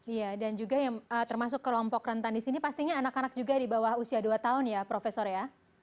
iya dan juga yang termasuk kelompok rentan di sini pastinya anak anak juga di bawah usia dua tahun ya profesor ya